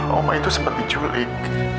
oma itu sempat diculik